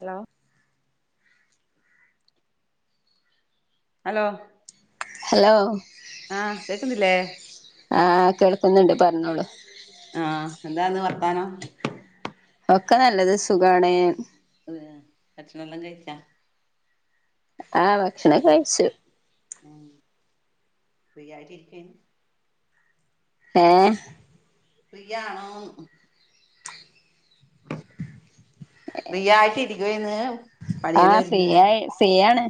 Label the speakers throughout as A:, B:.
A: Hello hello
B: hello
A: ആഹ് കേക്കുന്നില്ലേ
B: ആഹ കേൾക്കുന്നുണ്ട് പറഞ്ഞോളൂ
A: ആഹ് എന്താന്ന് വർത്താനം
B: ഒക്കെ നല്ലത് സുഖാണ്
A: അതെയാ ഭക്ഷണം എല്ലാം കഴിച്ചാ
B: ആഹ് ഭക്ഷണവൊക്കെ കഴിച്ചു
A: ഉം ഫ്രീ ആയിട്ട് ഇരിക്കുവാരുന്നു
B: ഏ
A: ഫ്രീയാണോ ഫ്രീയായിട്ട് ഇരിക്കുവാണ്
B: ആഹ് ഫ്രീയാ ഫ്രീയാണ്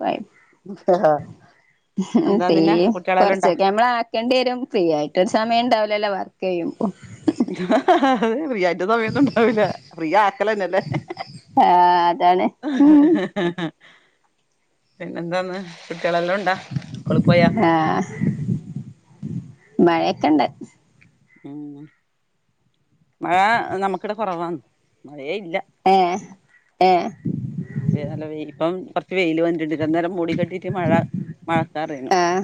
B: കോ
A: എന്താ നിന്നെ
B: ഫ്രീയ്
A: കുട്ടികളെല്ലാം ഉണ്ടോ
B: കുറച്ചൊക്കെ നമ്മള് ആ ക്കേണ്ടി വരും ഫ്രീ ആയിട്ട് ഒരു സമയം ഉണ്ടാവില്ലല്ലോ വർക്ക് ചെയ്യുമ്പോ
A: അത് റിയാ [unintelligible] ഉണ്ടാവില്ല ഫ്രീ ആക്കൽ തന്നെയല്ലേ
B: ആഹ് അതാണ് ഉം
A: പിന്നെന്താന്ന് കുട്ടികളെല്ലാം ഉണ്ടാ സ്കൂളിൽ പോയാ
B: മഴ ഒക്കെയുണ്ട്
A: ഉം മഴ നമ്മക്ക് ഇവിടെ കുറവാണ് മഴയേ ഇല്ല
B: ഏ ഏ
A: ഇവിടെ നല്ല വെയില് ഇപ്പം കുറച്ച് വെയിൽ വന്നിട്ടുണ്ട് ഇത്രയും നേരം മൂടി കെട്ടിയിട്ട് മഴ മഴക്കാറായിരുന്നു
B: ആഹ്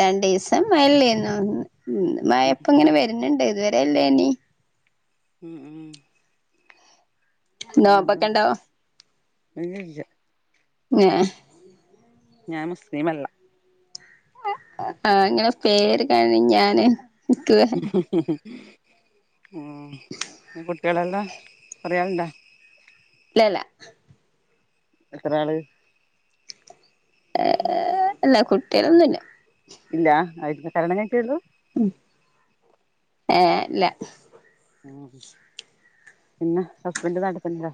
B: രണ്ട് ദിവസം മേളിലിരുന്നു മഴ
A: ഉം
B: ഇപ്പോ ഇങ്ങനെ വരുന്നുണ്ട് ഇതുവരെ ഇല്ലേനി
A: ഉം ഉം
B: നോമ്പൊക്കെ
A: പിന്നെന്താണ്
B: ഉണ്ടോ
A: ഒന്നുമില്ല
B: ങേ
A: ഞാൻ മുസ്ലിം അല്ല
B: ആഹ് അങ്ങനെ പേര് കാണി ഞാന് ഇക്ക്
A: [inaudible] ആഹ് പിന്നെ കുട്ടികളെല്ലാം എത്ര ആളുണ്ട്
B: ഇല്ല ഇല്ല
A: എത്ര ആള്
B: ഏ ഇല്ലാ കുട്ടികളൊന്നുമില്ല
A: ഇല്ല ആയിട്ടില്ല കല്യാണം കഴിച്ചതേ ഉള്ളൂ
B: ഉം ഏ ഇല്ല
A: ഉം പിന്നെ ഹസ്ബൻഡ് നാട്ടിൽ തന്നെയാ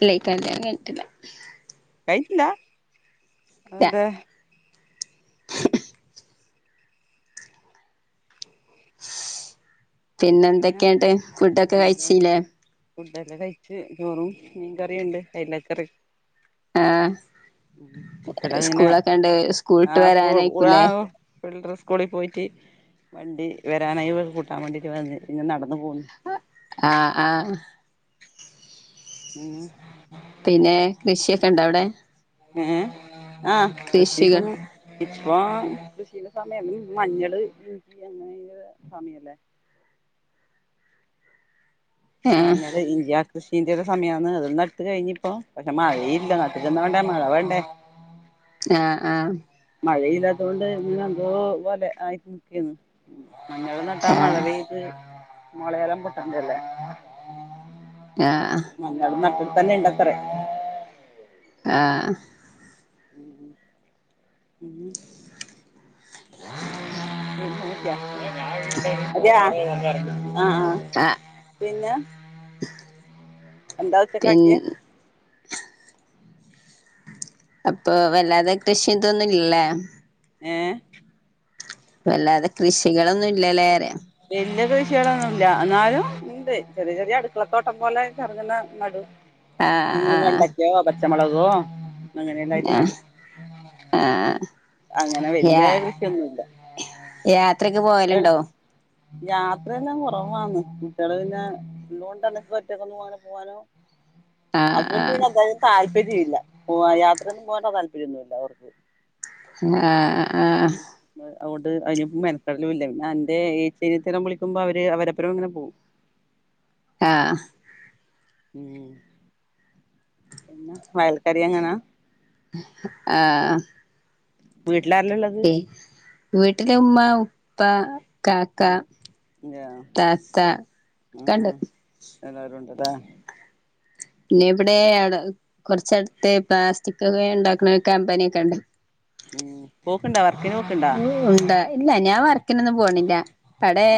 B: ഇല്ല കല്യാണം കഴിഞ്ഞിട്ടില്ല
A: കഴിഞ്ഞിട്ടില്ല
B: ഇല്ല
A: അതെന്തേ
B: പിന്നെ എന്തൊക്കെയുണ്ട് ഫുഡ് ഒക്കെ കഴിച്ചില്ലേ
A: ഫുഡൊക്കെ കഴിച്ച് ചോറും മീൻ കറിയുണ്ട് അയില കറി
B: ആ
A: കുട്ടികൾ ഇങ്ങനെ
B: സ്കൂളൊക്കെ ഉണ്ട്
A: ആ
B: സ്കൂളിട്ട്
A: സ്കൂൾ ആ
B: വരാനായിക്കൂലേ
A: [unintelligible] സ്കൂളിൽ പോയിട്ട് വണ്ടി വരാനായി കൂട്ടാൻ വേണ്ടിട്ട് വന്ന് പിന്നെ നടന്നു പോന്നു.
B: ആ ആ
A: ഉം
B: പിന്നെ കൃഷിയൊക്കെ ഇണ്ട അവിടെ?
A: ഏഹ് ആഹ്
B: കൃഷികൾ
A: [unintelligible] ഇപ്പൊ കൃഷീട് സമയം മഞ്ഞള് ഇഞ്ചി അങ്ങനെ സമയല്ലേ.
B: ആ
A: മഞ്ഞള് ഇഞ്ചി അഹ് കൃഷീന്റെ ഒക്കെ സമയാന്ന് അതൊന്നെടുത്ത് കഴിഞ്ഞി ഇപ്പൊ പക്ഷെ മഴ ഇല്ല നട്ടിരുന്നോണ്ടാ മഴ വേണ്ടേ. [inaudible]
B: ആഹ് ആഹ്
A: മഴ ഇല്ലാത്തോണ്ട് ഇനി എന്തോ പോലെ ആയിട്ട് നിക്കെന്നു മഞ്ഞൾ നട്ടാ
B: ആ
A: മഴ പെയ്ത് മുളയെല്ലാം പൊട്ടെണ്ടയല്ലേ.
B: ആഹ്
A: ഞങ്ങളും നട്ടിട് തന്നെ നേണ്ടത്തറേ
B: ആഹ്
A: ഉം [unintelligible] ആഹ
B: ആ
A: പിന്നെ എന്താ
B: പിൻ
A: ഉച്ചക്കാക്കിയ
B: അപ്പൊ വല്ലാതെ കൃഷി ഇതൊന്നും ഇല്ലേ
A: ഏഹ്
B: വല്ലാതെ കൃഷികളൊന്നും ഇല്ലലേ പറി
A: വല്യ കൃഷികളൊന്നും ഇല്ല എന്നാലും ഇണ്ട് ചെറിയ ചെറിയ അടുക്കളത്തോട്ടം പോലെ ചെറുതിന നടും. അങ്ങനെ
B: ആ
A: വെണ്ടക്കയോ, പച്ചമുളകോ, അങ്ങനെ എല്ലായിട്ട് നടും.
B: ഏഹ്
A: അങ്ങനെ വല്യ
B: യാ
A: കൃഷിയൊന്നുല്ല
B: യാത്രയ്ക്ക് പോകലുണ്ടോ?
A: യാത്രയെല്ലാം കൊറവാണ്. കുട്ടികള് പിന്നെ ഉള്ളോണ്ടെന്നക്ക് ഒറ്റക്ക്‌ ഒന്നും അങ്ങനെ പോവാനോ, [inaudible]
B: ആഹ്
A: ഹസ്ബന്റു
B: ആഹ്
A: പിന്നെ എന്തായാലും താല്പര്യം ഇല്ല പോയ യാത്രൊന്നും പോകാനെന്നും താല്പര്യൊന്നുല്ല അവർക്ക്.
B: ആഹ് ആഹ്
A: അതോകൊണ്ട് അയിനിപ്പം മനക്കെടലുല്ല ഇല്ല പിന്നെ അന്റെ ഏച്ചീനത്തരം വിളിക്കുമ്പം അവര് അവരപ്പരം അങ്ങനെ പോവും.
B: ആഹ്
A: ഉം പിന്നെ വേലക്കാരി എങ്ങനാ
B: ആഹ്
A: വീട്ടിലാരാ ഇള്ളത്?
B: പി വീട്ടില് ഉമ്മ ഉപ്പ കാക്ക
A: ഉം ആഹ്
B: താത്ത ഒക്കണ്ട്.
A: ആഹ് എല്ലാരും ഉണ്ട്ല്ലേ
B: പിന്നെ ഇവിടെ കൊറച്ചടുത്തെ പ്ലാസ്റ്റിക്കൊക്കെ ഉണ്ടാക്കണ കമ്പനി ഒക്കെ ഉണ്ട്.
A: ഉം പോക്കുണ്ടോ വർക്കിന് പോക്കുണ്ടോ?
B: ഉണ്ട് ഇല്ല ഞാൻ വർക്കിനൊന്നും പോണില്ല. ആടേ?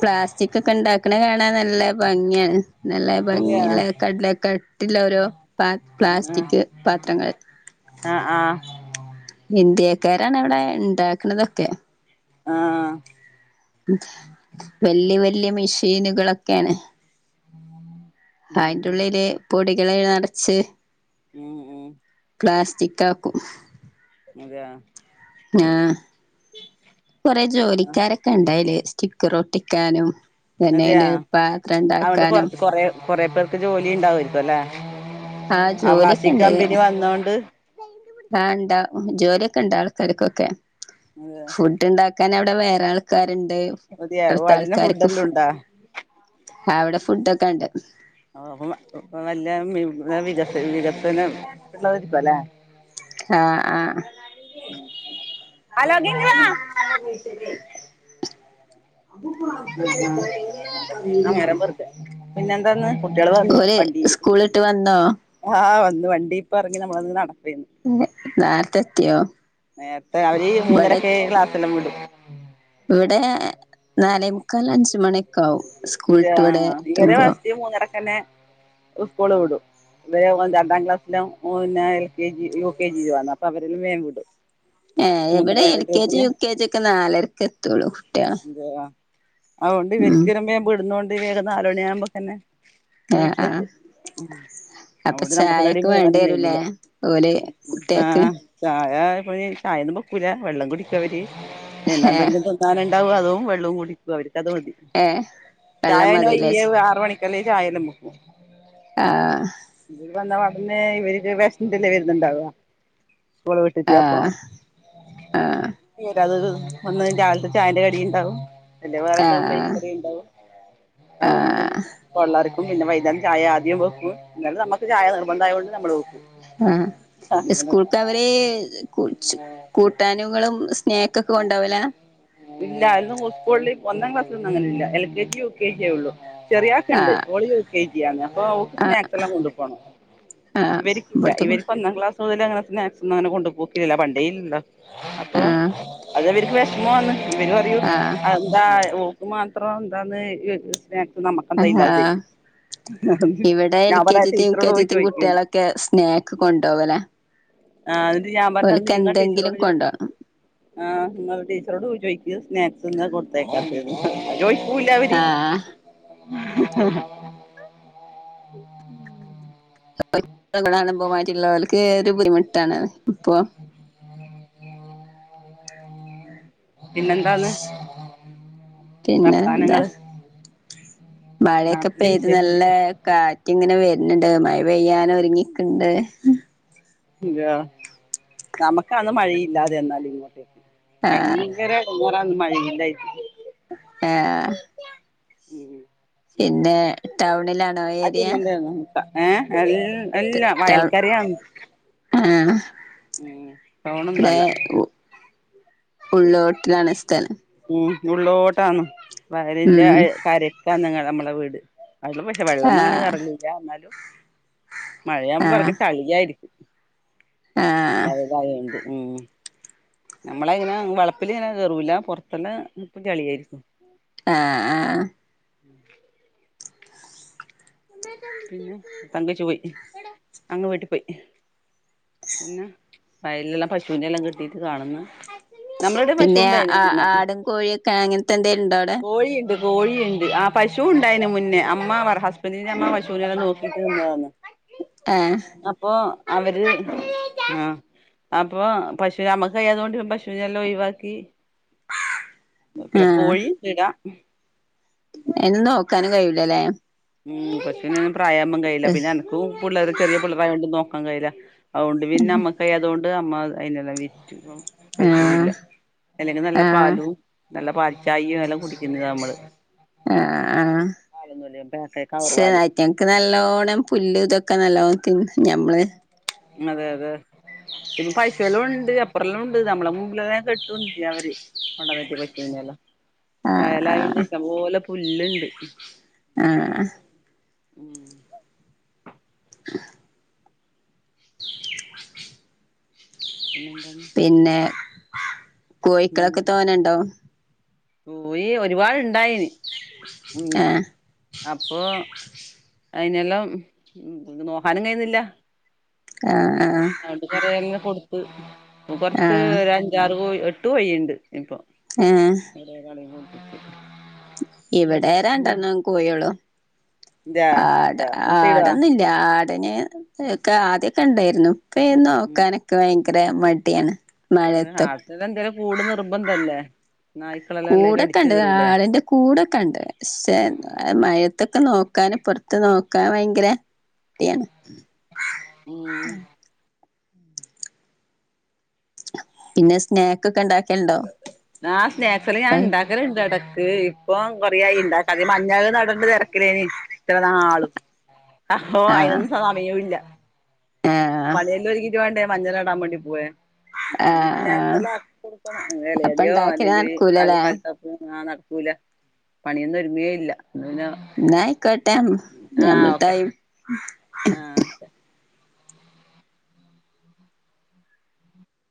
B: പ്ലാസ്റ്റിക് ഒക്കെ ഉണ്ടാക്കണ കാണാൻ നല്ല ഭംഗിയാണ്. നല്ല
A: അതെയ
B: ഭംഗിയുള്ള കടല കട്ടിലോരോ പാ പ്ലാസ്റ്റിക് പാത്രങ്ങൾ.
A: ആഹ് ആഹ്
B: ഇന്ത്യക്കാരാണ് അവിടെ ഇണ്ടാക്കണതൊക്കെ.
A: ആ.
B: വലിയ, വലിയ മെഷീനുകളൊക്കെയാണ്.
A: ഉ [unintelligible] [inaudible]
B: അയിന്റുള്ളില് പൊടികള് നറച്ച്
A: [inaudible]
B: പ്ലാസ്റ്റിക്കാക്കും.
A: അതെയാ.
B: ആ. കൊറെേ ജോലിക്കാരൊക്കെ ഉണ്ട് അയില് സ്റ്റിക്കർ ഒട്ടിക്കാനും പിന്നെ അയിൽ
A: അതെയാ
B: പാത്ര ഉണ്ടാക്കാനും
A: കൊറെ പേർക്ക് ജോലി ഉണ്ടാവായിരിക്കല്ലോ ആ,
B: ജോലിയൊക്കെ
A: പ്ലാസിറ്റി ക്
B: ഉണ്ട്
A: കമ്പനി വന്നൊണ്ട്
B: ആ, ഇണ്ടാ ജോലിയൊക്കെ ഉണ്ട് ആൾക്കാർക്കൊക്കെ.
A: അതെ.
B: ഫുഡ് ഉണ്ടാക്കാൻ അവിടെ വേറെ ആൾക്കാരുണ്ട്.
A: അതിയ
B: അടുത്ത
A: വടിന [unintelligible] ഫുഡ്
B: ആൾക്കാർക്ക്
A: എല്ലാം ഉണ്ടോ
B: അവിടെ ഫുഡ് ഒക്കെ ഉണ്ട്.
A: ആ, കൊള്ളാം. നല്ല വികസനംള്ളതരിക്കുംല്ലേ.
B: ആ ആ
A: അല്ലകി വ [unintelligible]
B: നല്ല പോഴസരി [unintelligible]
A: ആ, ആ, ആ. മരം മുറിക്കാ പിന്നെ എന്താന്ന്. കുട്ടികള് വന്നു
B: ഓര്
A: വണ്ടിയില്.
B: സ്കൂളിട്ട് വന്നോ
A: ആ, വന്നു വണ്ടി ഇപ്പ ഇറങ്ങി നമ്മളന്ന് നടകേനും.
B: നേരത്തെ എത്തിയോ
A: നേരത്തെ അവര്
B: ഇവിടെ
A: മൂന്നരക്കെ ക്ലാസ്ല്ലാം വിടും.
B: ഇവിടെ നാലേ മുക്കാൽ അഞ്ച മണിയൊക്കെ ആകും.
A: [unintelligible] ഇവരെ വസ്തി മൂന്നരക്കന്നെ സ്കൂൾ വിടും. ദേ, ഒന്, രണ്ടാം ക്ലാസ്സില, ഓൻ പിന്നെ L K G, U K ജിലാണ്. അപ്പോ അവരെ വേഗം വിടും.
B: ഏ, ഇവിടെ എൽ
A: മൂന്നര
B: കെ ജി,
A: ട്രിപ്പിന്
B: യു കെ ജി ഒക്കെ നാലരക്ക് എത്തുള്ളൂ. കുട്ടി
A: അതെയ, അതുകൊണ്ട് ഇവരിക്കരുമ്പോ വിടുന്നോണ്ട് വേഗം നാല മണിയ ആവുമ്പോക്കന്നെ
B: ആഹ് ആഹ്
A: വീട്ടിലത്തും.
B: അപ്പൊ
A: അവിടെ നമ്മുക്ക് എവിടെ
B: ചായൊക്കെ വേണ്ടി
A: പോവാനും
B: വരൂലേ
A: കഴിഞ്ഞില്ല.
B: ഓല്
A: ഉം, അ.
B: കുട്ടികൾക്ക്
A: ചായ, ഇ ചായൊന്നും വെക്കുല വെള്ളം കുടിക്കവര് പിന്നെ
B: ഏഹ്
A: എന്തെങ്കിലും തിന്നും ഞാന ഉണ്ടാവും. അതും വെള്ളവും കുടിക്കും. അവർക്കത് മതി.
B: ഏ.
A: ചായ, ഈ ആറ മണിക്കല്ലേ, ചായലും മുക്കും
B: ആ.
A: ഇ വന്ന വടന്ന് ഇവർക്ക് വിഷില്ല വരുന്നുണ്ടാവവാ സ്കൂള് വിട്ടിട്ട് അപ്പൊ
B: ആഹ്
A: [unintelligible] വരാത [unintelligible] വന്ന രാവിലത്തെ ചായന്റെ കടിയുണ്ടാവും. അല്ലെങ്കിൽ വേറെ എന്താ
B: ആഹ്
A: ബേക്കറി ഉണ്ടാവും. അങ്ങനെന്നു
B: ആഹ്
A: ണ്ട്. കൊള്ളറക്കും. പിന്നെ വൈകുന്നേരം ചായ ആദ്യം വെക്കും, എന്നാൽ നമുക്ക് ചായ നിർബന്ധമായത് കൊണ്ട് നമ്മൾ വെക്കും.
B: ആ,
A: അങ്ങനെ
B: സ്കൂൾക്ക് അവരെ കൂട്ടാനുകളും സ്നേക്കൊക്കെ കൊണ്ടാവല.
A: ഇല്ലാ, ഇന്ന് സ്കൂളിൽ ഒന്നാം ക്ലാസ്സിൽ ഒന്നും അങ്ങനെ ഇല്ല. L K G, U K ജിയേ ഉള്ളൂ. ചെറിയ ആക്ക് ഇണ്ട്.
B: ആഹ്
A: ഓൾ യുകെജി ആണ്. അപ്പോ ഓക്ക്
B: ആഹ്
A: സ്നാക്സ് എല്ലാം കൊണ്ടു പോണം.
B: ആഹ്
A: ഇവർക്കില്ല.
B: ഇവിടുത്തെ കു
A: ഇവർക്ക് ഒന്നാം ക്ലാസ് മുതൽ അങ്ങനെ സ്നാക്സ് ഒന്നും അങ്ങനെ കൊണ്ടുപോക്കില്ല. പണ്ടേഇല്ല.
B: ആഹ്
A: അതവർക്ക് വിഷമണ്. ഇവര് പറയും
B: ആഹ്
A: ആ എന്താ ഓക്ക് മാത്രം എന്താന്ന് സ്നക് നമ്മുക്കെന്താല്ലാതെ
B: ഇവടെ എൽ കെ ജിത്തെം യു കെ
A: പോയി
B: ജിത്തും
A: ചോദിക്കുന്ന്
B: കുട്ടികളൊക്കെ സ്നാക്ക് കൊണ്ടോവെല
A: ആ എന്നിട്ട് ഞാൻ പറഞ്ഞ്
B: ഓൽക്കെന്തെങ്കിലും കൊണ്ടോണം
A: ആഹ് ഇങ്ങള് ടീച്ചറോട് പോയി ചോയിക്ക് സ്നാക്സെന്താ കൊടുത്തയക്കാത്തേന്ന് ചോയിക്കൂല്ലവര്
B: ആഹ് [unintelligible] കാണുമ്പോ ബാക്കിയിള്ളോർക്ക് ഒരു ബുദ്ധിമുട്ടാണ് അപ്പൊ,
A: പിന്നെന്താന്ന്
B: പിന്നെ എന്താ
A: വർത്താനങ്ങള്
B: മഴയൊക്കെ
A: നാട്ടിലെ
B: പെയ്ത് നല്ല
A: വിശേഷങ്ങള്
B: കാറ്റ്ങ്ങനെ വെര്ന്ണ്ട് മഴ പെയ്യാനൊരുങ്ങിക്ക്ണ്ട്
A: ഇണ്ടോ? നമുക്കാന്ന് മഴയില്ലാതെയെന്നാല്ള്ളത്
B: ആഹ്
A: ഭയങ്കര എടങ്ങേറാന്ന് മഴയില്ലേറ്റ്
B: ആഹ് പിന്നെ ടൗണിലാണോ ഏരിയ?
A: ഏഹേ? എൽ എല്ലാ വയൽക്കരെയാന്ന്
B: ആണ് ഇബടെ
A: ടൗണൊന്നല്ല
B: ഉള്ളോട്ടിലാണ് സ്ഥലം
A: ഉം ഉള്ളോട്ടാന്ന് വയല്ൻ്റെ
B: ഉം
A: കരക്കാന്ന് നമ്മളെ വീട് [unintelligible] ഇല്ല്യ വെള്ളൊന്നും അങ്ങനെ
B: ആഹ്
A: കേറലില്ല ഇന്നാലും മഴയാമ്പോ
B: ആഹ്
A: നിറച്ച് ചളിയായിരിക്കും
B: ആഹ്
A: വയലായോണ്ട് ഉം നമ്മളയ്നാ വളപ്പിലിങ്ങനെ കേറൂല പെറത്തെല്ലാം ചളിയായിരിക്കും
B: ആഹ് ആഹ്
A: പിന്നെ പിന്നെ വയല്ള്ള പശുനെല്ലാം കേട്ടീട്ട് കാണ്ന്ന് നമ്മള്ടെ
B: പിന്നെ
A: പശുണ്ടായിന്
B: ആ
A: മുന്നേ
B: ആടും കോഴിയൊക്കെ അങ്ങനത്തെ എന്തേലും ഉണ്ടോ അവിടെ?
A: കോഴീണ്ട് കോഴിയ്ണ്ട് ആ പശുണ്ടായിന് മുന്നേ അമ്മ അവർ ഹ സ്ബൻഡിന്റമ്മ പശൂനെല്ലം നോക്കീട്ട്
B: ഏഹ്
A: അപ്പൊ അവര് ആഹ് അപ്പൊ പശുവി അമ്മക്ക് വയ്യാതൊണ്ട് പശുനെല്ലാം ഒഴിവാക്കി പിന്നെ
B: ആഹ്
A: പോയി ഇടാ
B: അയിനെന്നു നോക്കാനും കയ്യൂലല്ലേ?
A: ഉം പശൂനെയൊന്നും പ്രായാവുമ്പോ കയ്യുല്ല
B: ആഹ്
A: പിന്നെനക്കും പിള്ളേറ് ചെറിയ പിള്ളറായോണ്ട് നോക്കാൻ കയ്യൂല്ല അഹൊണ്ട് പിന്നമ്മക്കയാത്തോണ്ട് അമ്മ അയിനെല്ലാം വിറ്റു പശുല്ല അല്ലെങ്കി നല്ല
B: ആഹ്
A: പാലും, നല്ല പാൽച്ചായയും എല്ലാം കുടിക്കുന്നതാ നമ്മള് പാലും കൊതിയോണ്ട
B: പക്ഷേ അയിറ്റങ്ങക്ക് നല്ലോണ്ണം പുല്ല് ഇതൊക്കെ നല്ലോണം തിന്ന ഞമ്മള്
A: അതെ അതെ പിന്ന പശുവെല്ലുണ്ട് അപ്പുറല്ലുണ്ട് നമ്മളെ മുമ്പിലെല്ല കെട്ടും ചെയ്യ അവര് കൊണ്ടന്നിട്ട് പശൂനെല്ലം
B: ആഹ്
A: വയലായോണ്ട്
B: ആഹ്
A: ഇഷ്ടം പോലെ പുല്ല്ണ്ട്
B: ആഹ്
A: ഉം
B: [inaudible]
A: പിന്നെന്താണ്
B: പിന്നെ കോഴിക്കളൊക്കെ തോനണ്ടോ?
A: കോഴി ഒരുപാട്ണ്ടായിനി പിന്നെ
B: ആഹ്
A: അപ്പൊ അയിനെല്ലാം നോക്കാനും കഴിയുന്നില്ല
B: ആഹ്
A: അതൊണ്ട് കൊറേല്ലം കൊടുത്ത് ഇപ്പം കൊറച്ച്
B: ആഹ്
A: ഒരു അഞ്ചാറ് കോയി എട്ട് കോയിണ്ട് ഇപ്പൊ.
B: ആഹ്
A: [unintelligible]
B: ഇവിടെ രണ്ടെണ്ണം കോഴിള്ളൂ
A: ഇതാ
B: ആട
A: എന്താ മുട്ടയിടോ
B: ആടന്നി ആടിന്, ഒക്കെ, ആദ്യൊക്കെ, ണ്ടായിര്ന്നു ഇപ്പോൾ അതിനെ
A: ഉം
B: നോക്കാന്. ക്ക് ഭയങ്കര മടിയാണ്.
A: അതെ,
B: മഴയത്തൊക്കെ
A: ആട്ടിന് എന്തേലും കൂട് നിർബന്ധല്ലേ? നായ്
B: കൂടൊക്കെണ്ട് ആടിന്റെ കൂടൊക്കെണ്ട് പക്ഷെ
A: ഉം
B: മഴ ഇത്തൊക്കെ നോക്കാന്, പുറത്ത് നോക്കാൻ ഭയങ്കര മടിയാണ്.
A: ഉം
B: പിന്നെ, സ്നാക്ക് ഒക്കെ ഉണ്ടാക്കൽ ണ്ടോ?
A: ഉണ്ടാകാറുണ്ട് ഇടക്ക്. ഇപ്പൊ കൊറെയായി ഇണ്ടാക്കാത്തെ ഈ മഞ്ഞൾ നട. തിരക്കിലേനി ഇത്ര നാളും. അപ്പോ
B: ആഹ്
A: അയിനൊന്നും സമയൂല്ല.
B: ആഹ്
A: പണിയെല്ലാം ഒരുക്കിട്ട് വേണ്ടേ. മഞ്ഞൾ നടാൻ വേണ്ടി പോവാൻ. പിന്നെ സ്നാക്ക്
B: ആഹ്
A: സെല്ലം ആക്കി കൊടുക്കണം.
B: അപ്പൊ
A: ഇലയടയോ,
B: ഉണ്ടാക്കല്
A: അല്ലെങ്കിൽ അൽ
B: നടക്കൂലല്ലേ
A: കൽത്ത ആഹ്‌, നടക്കൂല. പണിയൊന്നും ഒരുങ്ങ്വേ ഇല്ല. പിന്ന
B: ന്നാ, ആയിക്കോട്ടെ. ഞമ്മള് തായി.
A: ആഹ്